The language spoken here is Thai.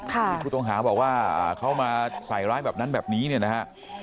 ที่ผู้ต้องหาบอกว่าเขามาใส่ร้ายแบบนั้นแบบนี้เนี่ยนะฮะ